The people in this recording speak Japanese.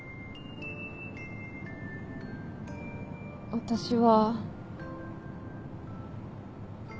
私は。